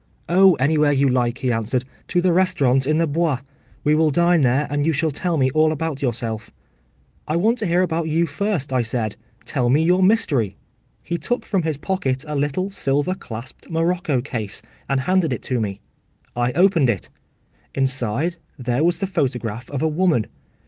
‘Oh, anywhere you like!’ he answered—‘to the restaurant in the Bois; we will dine there, and you shall tell me all about yourself.’ ‘I want to hear about you first,’ I said. ‘Tell me your mystery.’ He took from his pocket a little silver clasped morocco case, and handed it to me. I opened it. Inside there was the photograph of a woman.